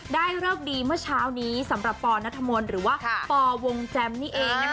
เลิกดีเมื่อเช้านี้สำหรับปนัทมนต์หรือว่าปวงแจมนี่เองนะคะ